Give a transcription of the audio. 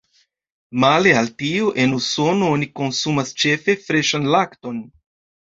Male al tio, en Usono oni konsumas ĉefe freŝan lakton.